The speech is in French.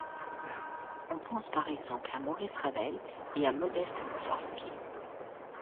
On pense par exemple à Maurice Ravel et à Modeste Moussorgsky.